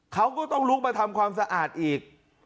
เขาก็ต้องลุกมาทำความสะอาดอีก